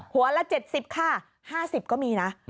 หัวละ๗๐ค่ะ๕๐ก็มีนะ